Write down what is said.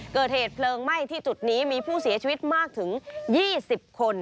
เกิดเหตุเพลิงไหม้ที่จุดนี้มีผู้เสียชีวิตมากถึง๒๐คน